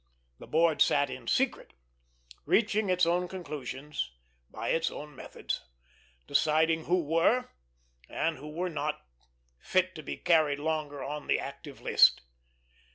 The board sat in secret, reaching its own conclusions by its own methods; deciding who were, and who were not, fit to be carried longer on the active list.